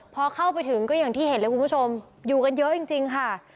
พอเข้าไปถึงก็อย่างที่เห็นเลยคุณผู้ชมอยู่กันเยอะจริงค่ะ